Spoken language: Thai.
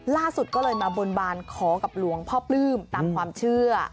ล่าสุดก็เลยมาบนบานขอกับหลวงพ่อปลื้มตามความเชื่อ